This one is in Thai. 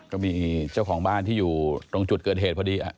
ก็มีเจ้าของบ้านที่อยู่ตรงจุดเกิดเหตุพอดี